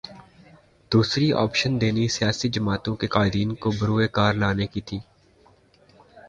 دوسری آپشن دینی سیاسی جماعتوں کے قائدین کو بروئے کار لانے کی تھی۔